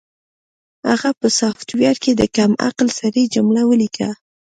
هغه په سافټویر کې د کم عقل سړي جمله ولیکله